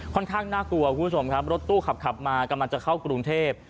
น่ากลัวคุณผู้ชมครับรถตู้ขับมากำลังจะเข้ากรุงเทพ